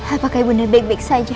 bunda apakah ibunya baik baik saja